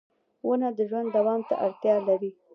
• ونه د ژوند دوام ته اړتیا لري.